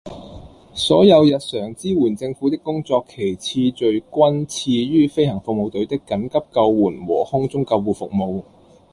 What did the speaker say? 所有日常支援政府的工作，其次序均次於飛行服務隊的緊急救援和空中救護服務